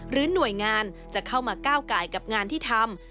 หน่วยงานจะเข้ามาก้าวไก่กับงานที่ทำ